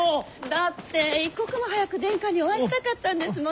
だって一刻も早く殿下にお会いしたかったんですもの。